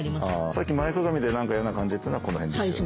さっき前かがみで何か嫌な感じというのはこの辺ですよね？